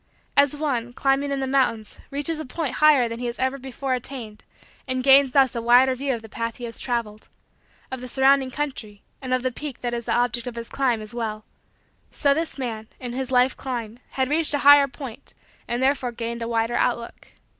As one, climbing in the mountains, reaches a point higher than he has ever before attained and gains thus a wider view of the path he has traveled, of the surrounding country, and of the peak that is the object of his climb as well, so this man, in his life climb, had reached a higher point and therefore gained a wider outlook.